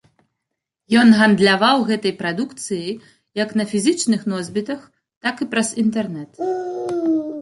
Ён гандляваў гэтай прадукцыяй як на фізічных носьбітах, так і праз інтэрнэт.